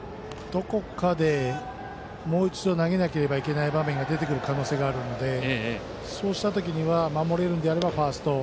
どこかでもう一度投げなければいけない場面が出る可能性があるのでそうした時には守れるのであればファーストに。